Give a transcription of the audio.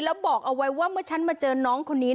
แล้วบอกเอาไว้ว่าเมื่อฉันมาเจอน้องคนนี้